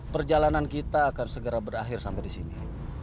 perjalanan kita akan segera berakhir sampai disini